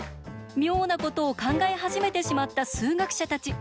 妙なことを考え始めてしまった数学者たち。